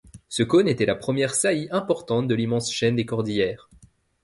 Ce cône était la première saillie importante de l’immense chaîne des Cordillières.